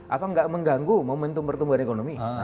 apa nggak mengganggu momentum pertumbuhan ekonomi